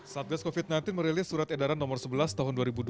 satgas covid sembilan belas merilis surat edaran nomor sebelas tahun dua ribu dua puluh